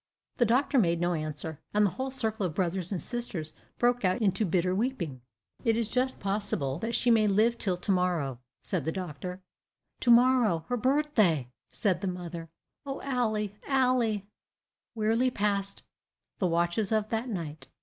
The doctor made no answer, and the whole circle of brothers and sisters broke out into bitter weeping. "It is just possible that she may live till to morrow," said the doctor. "To morrow her birthday!" said the mother. "O Ally, Ally!" Wearily passed the watches of that night.